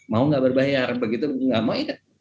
mau nggak berbayar begitu nggak mau ya